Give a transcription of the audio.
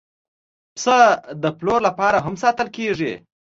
پسه د پلور لپاره هم ساتل کېږي.